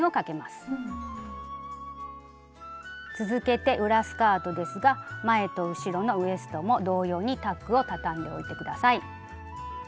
続けて裏スカートですが前と後ろのウエストも同様にタックをたたんでおいて下さい。